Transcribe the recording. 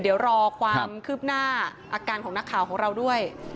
เดี๋ยวรอความคืบหน้าอาการของนักข่าวของเราด้วย